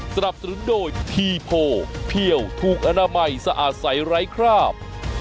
สนับสนุนโดยทีโพเพี่ยวถูกอนามัยสะอาดใสไร้คราบ